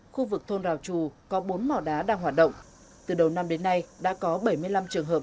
khu vực thôn rào trù có bốn mỏ đá đang hoạt động từ đầu năm đến nay đã có bảy mươi năm trường hợp